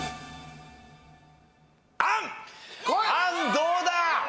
どうだ？